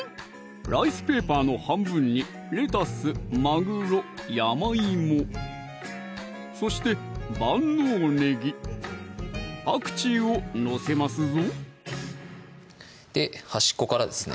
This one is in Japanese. ライスペーパーの半分にレタス・まぐろ・山いもそして万能ねぎ・パクチーを載せますぞ端っこからですね